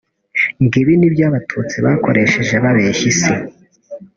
ngo ni ibyo abatutsi bakoresheje babeshya isi